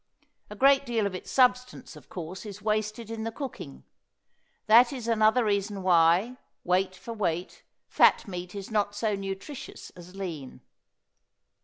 A great deal of its substance, of course, is wasted in the cooking. That is another reason why, weight for weight, fat meat is not so nutritious as lean.